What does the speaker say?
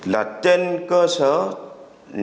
là trên cơ sở truy tìm